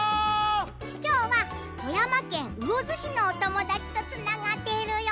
きょうは富山県魚津市のおともだちとつながっているよ。